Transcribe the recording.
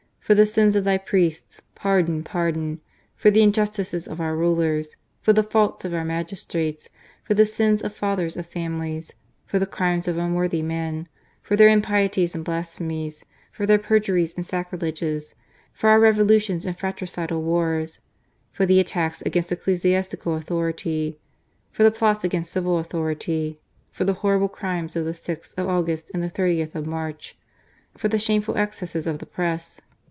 ''' For the sins of Thy priests." 'Pardon ! pardon !"' For the injustices of our rulers, ^ For the faults of our magistrates, * For the sins of fathers of families, ' For the crimes of unworthy men, ' For their impieties and blasphemies, * For their perjuries and sacrileges, * For our Revolutions and fratricidal wars, ' For the attacks against ecclesiastical authority, * For the plots against civil authority, * For the horrible crimes of the 6th of August and 30th of March, \ 330 ECUADOR AFTER GARCIA MORENO •• For the shameful excesses of the Press.